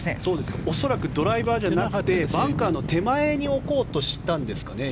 恐らくドライバーじゃなくてバンカーの手前に置こうとしたんですかね。